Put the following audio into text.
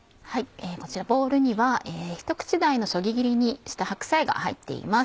こちらボウルにはひと口大のそぎ切りにした白菜が入っています。